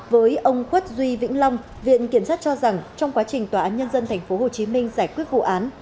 với ông khuất duy vĩnh long viện kiểm sát cho rằng trong quá trình tòa án nhân dân tp hcm giải quyết vụ án